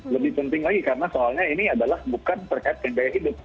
lebih penting lagi karena soalnya ini adalah bukan terkait gaya hidup